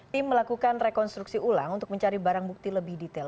tim melakukan rekonstruksi ulang untuk mencari barang bukti lebih detail